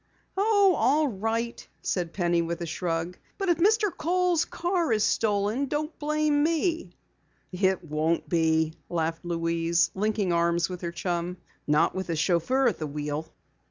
"Oh, all right," said Penny with a shrug. "But if Mr. Kohl's car is stolen, don't blame me." "It won't be," laughed Louise, linking arms with her chum. "Not with a chauffeur at the wheel."